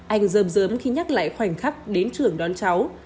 anh dơm dớm khi nhắc lại khoảnh khắc đến trường đón cháu